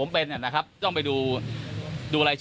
คุณผู้ชมฟังเสียงพี่โจ๊กหน่อยค่ะ